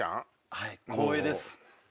はい光栄です。